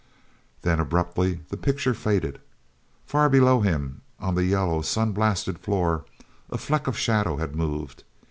Then, abruptly, the pictures faded. Far below him on the yellow, sun blasted floor, a fleck of shadow had moved.